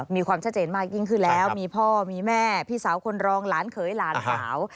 มีความชัดเจนมากยิ่งขึ้นแล้วมีพ่อมีแม่พี่สาวคนรองหลานเขยหลานสาว